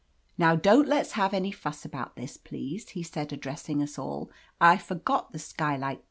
"Now don't let's have any fuss about this, please," he said, addressing us all. "I forgot the skylight.